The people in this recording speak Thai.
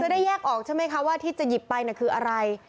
ได้แยกออกใช่ไหมคะว่าที่จะหยิบไปคืออะไร